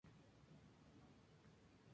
El nombre deriva de la palabra "ola".